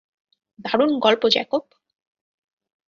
দারুণ গল্প জ্যাকব।